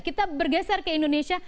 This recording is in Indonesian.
kita bergeser ke indonesia